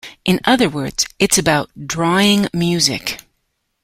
In other words, it's about 'drawing music'".